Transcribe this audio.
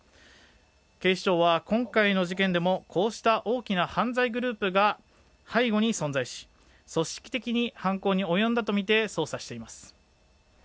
警視庁は今回の事件でもこうした大きな犯罪グループが背後に存在し組織的に犯行に及んだとみて捜査しています。